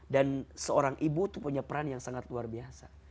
dan seorang ibu itu punya peran yang sangat luar biasa